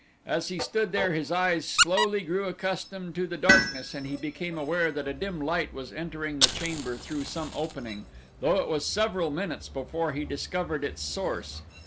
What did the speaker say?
As he stood there his eyes slowly grew accustomed to the darkness and he became aware that a dim light was entering the chamber through some opening, though it was several minutes before he discovered its source.